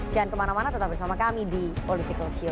jangan kemana mana tetap bersama kami di political show